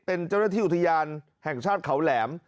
เป็นเจ้าหน้าที่อุทยานแห่งชาติเขาแหลม